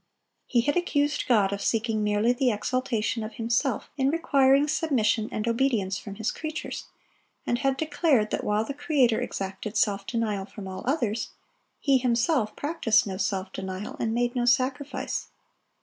He had accused God of seeking merely the exaltation of Himself in requiring submission and obedience from His creatures, and had declared that while the Creator exacted self denial from all others, He Himself practised no self denial and made no sacrifice.